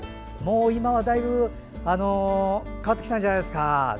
もう今はだいぶ変わってきたんじゃないですか。